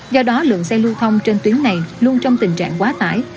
do đó lượng xe lưu thông trên tuyến này luôn trong tình trạng quá tải